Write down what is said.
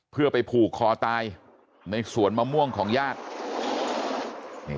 เพื่อไปผูกคอตายในสวนมะม่วงของญาติ